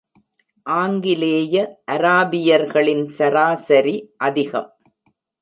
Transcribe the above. ஆங்கிலேய அராபியர்களின் சராசரி அதிகம்.